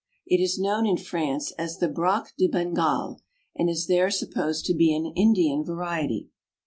It is known in France as the " Braque de Bengale," and is there supposed to be an Indian variety.